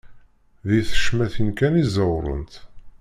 Di tecmatin kan i ẓewrent.